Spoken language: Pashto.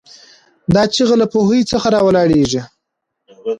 دا چیغه له پوهې څخه راولاړېږي.